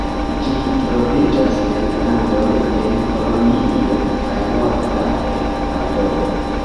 Ĝi troviĝas en Andoj en Kolombio kaj norda Ekvadoro.